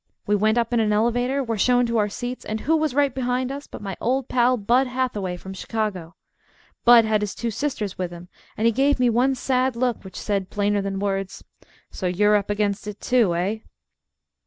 We went up in an elevator, were shown to our seats, and who was right behind us but my old pal, Bud Hathaway, from Chicago. Bud had his two sisters with him, and he gave me one sad look, which said plainer than words, "So you're up against it, too, eh!"